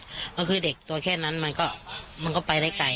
ก็คือเด็กตัวแค่นั้นมันก็ไปได้ไกล